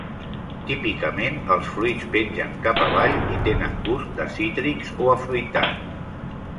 Típicament els fruits pengen cap avall i tenen gust de cítrics o afruitat.